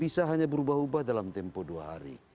bisa hanya berubah ubah dalam tempo dua hari